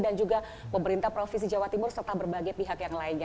dan juga pemerintah provinsi jawa timur serta berbagai pihak yang lainnya